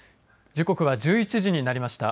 時刻は１１時になりました。